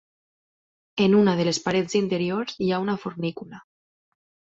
En una de les parets interiors hi ha una fornícula.